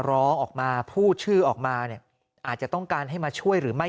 ร้องออกมาพูดชื่อออกมาเนี่ยอาจจะต้องการให้มาช่วยหรือไม่